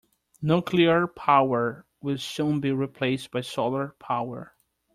Nuclear power will soon be replaced by solar power.